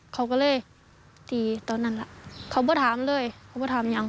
ครับ